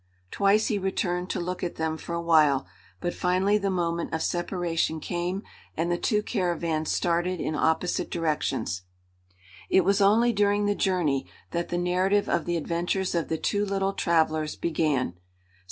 Twice he returned to look at them for a while, but finally the moment of separation came and the two caravans started in opposite directions. It was only during the journey that the narrative of the adventures of the two little travelers began.